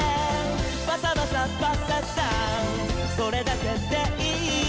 「バサバサッバッサッサーそれだけでいい」